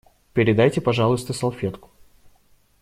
Передайте, пожалуйста, салфетку.